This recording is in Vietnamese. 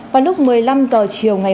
vào lúc một mươi năm h chiều ngày hôm nay